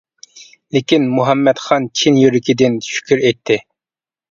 لېكىن مۇھەممەت خان چىن يۈرىكىدىن شۈكۈر ئېيتتى.